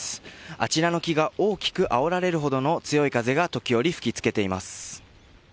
あちらの木が大きくあおられるほどの強い風が時折吹き付けています。